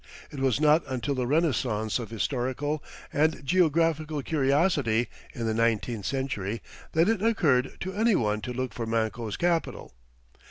It was not until the renaissance of historical and geographical curiosity, in the nineteenth century, that it occurred to any one to look for Manco's capital.